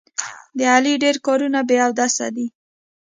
د علي ډېر کارونه بې اودسه دي.